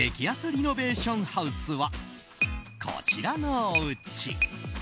リノベーションハウスはこちらのおうち。